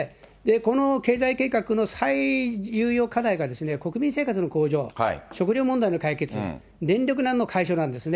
この経済計画の最重要課題が国民生活の向上、食糧問題の解決、電力難の解消なんですね。